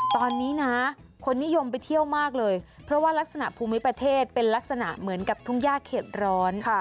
ตอนนี้นะคนนิยมไปเที่ยวมากเลยเพราะว่ารักษณภูมิประเทศเป็นลักษณะเหมือนกับทุ่งย่าเข็ดร้อน